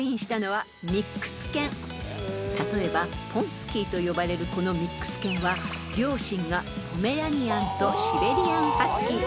［例えばポンスキーと呼ばれるこのミックス犬は両親がポメラニアンとシベリアンハスキー］